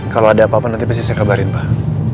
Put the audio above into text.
kalau ada apa apa nanti pasti saya kabarin pak